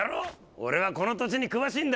俺はこの土地に詳しいんだ。